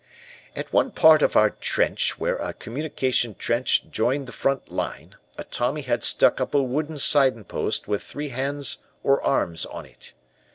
"At one part of our trench where a communication trench joined the front line, a Tommy had stuck up a wooden sign post with three hands or arms on it.